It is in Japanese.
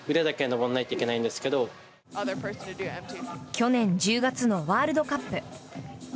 去年１０月のワールドカップ。